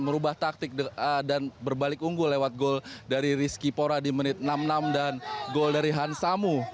merubah taktik dan berbalik unggul lewat gol dari rizky pora di menit enam puluh enam dan gol dari hansamu